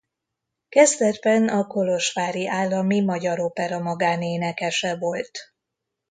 Kezdetben a Kolozsvári Állami Magyar Opera magánénekese volt.